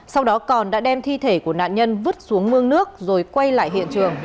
sau đó còn đã đem thi thể của nạn nhân vứt xuống mương nước rồi quay lại hiện trường